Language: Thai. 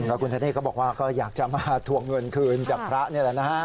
แล้วคุณธเนธก็บอกว่าก็อยากจะมาทวงเงินคืนจากพระนี่แหละนะฮะ